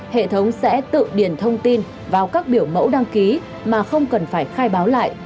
hệ thống sẽ tự điền thông tin vào các biểu mẫu đăng ký mà không cần phải khai báo lại